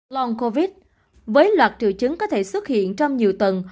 loan covid với loạt triệu chứng có thể xuất hiện trong nhiều tuần